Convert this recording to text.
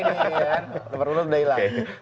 nomor urut udah hilang